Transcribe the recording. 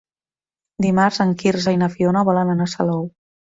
Dimarts en Quirze i na Fiona volen anar a Salou.